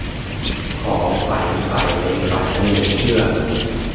ขอฝันใฝ่ในฝันอันเหลือเชื่อ